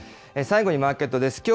最後にマーケットです。